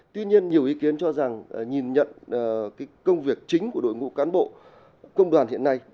tuy nhiên nhiều ý kiến cho rằng nhìn nhận công việc chính của đội ngũ cán bộ công đoàn hiện nay